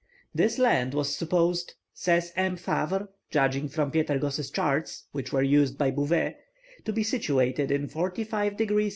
"This land was supposed," says M. Favre, judging from Pietergos' charts, which were used by Bouvet, "to be situated in 54 degrees S.